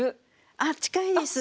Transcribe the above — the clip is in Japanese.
あっ近いです。